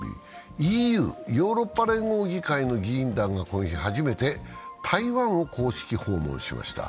ＥＵ＝ヨーロッパ連合議会の議員団がこの日、初めて台湾を公式訪問しました。